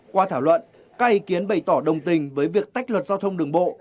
qua thảo luận các ý kiến bày tỏ đồng tình với việc tách luật giao thông đường bộ